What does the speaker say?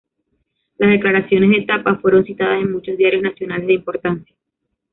Las declaraciones de Thapa fueron citadas en muchos diarios nacionales de importancia.